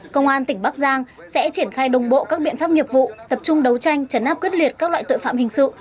công an tỉnh bắc giang sẽ triển khai đồng bộ các biện pháp nghiệp vụ tập trung đấu tranh chấn áp quyết liệt các loại tội phạm hình sự